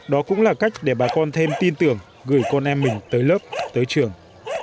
đó cũng là cách để bà con thêm tin tưởng gửi con em mình tới lớp tới trường